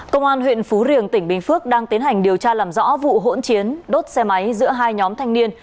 công an huyện phú riềng tỉnh bình phước đang tiến hành điều tra làm rõ vụ hỗn chiến đốt xe máy giữa hai nhóm thanh niên